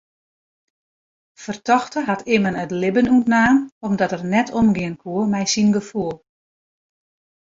Fertochte hat immen it libben ûntnaam omdat er net omgean koe mei syn gefoel.